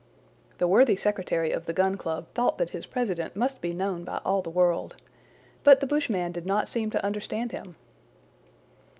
The worthy secretary of the Gun Club thought that his president must be known by all the world. But the bushman did not seem to understand him.